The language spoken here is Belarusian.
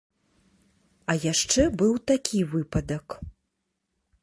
А яшчэ быў такі выпадак.